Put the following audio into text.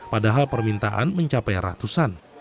padahal permintaan mencapai ratusan